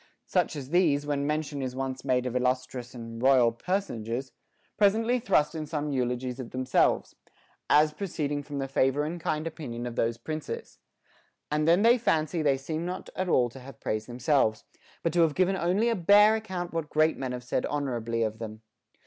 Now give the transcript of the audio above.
Such as these, when mention is once made of illustrious and royal personages, presently thrust in some eulogies of themselves, as pro ceeding from the favor and kind opinion of those princes ; and then they fancy they seem not at all to have praised themselves, but to have given only a bare account what great men have said honorably of them.